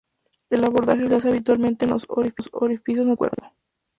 El abordaje se hace habitualmente por los orificios naturales del cuerpo.